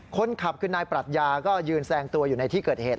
คนขับคือนายปรัชญาก็ยืนแซงตัวอยู่ในที่เกิดเหตุ